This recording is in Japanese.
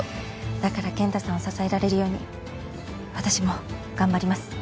だから健太さんを支えられるように私も頑張ります。